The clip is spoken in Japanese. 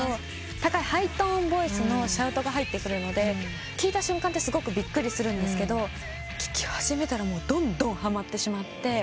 高いハイトーンボイスのシャウトが入ってくるので聴いた瞬間ってすごくびっくりするんですけど聴き始めたらどんどんはまってしまって。